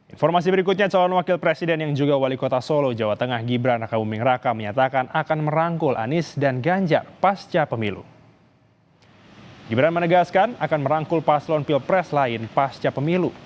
informasi berikutnya calon wakil presiden yang juga wali kota solo jawa tengah gibran raka buming raka menyatakan akan merangkul anies dan ganjak pasca pemilu